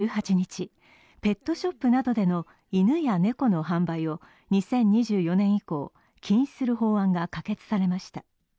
フランスの上院で１８日、ペットショップなどでの犬や猫の販売を２０２４年以降禁止する法案が可決されました。